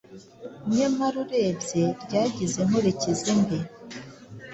Nyamara urebye ryagize inkurikizi mbi: